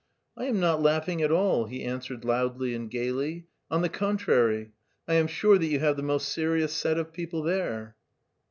"I am not laughing at all," he answered loudly and gaily; "on the contrary, I am sure that you have the most serious set of people there."